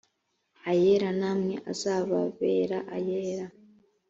ayera namwe azababera ayera